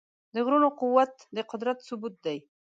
د غرونو قوت د قدرت ثبوت دی.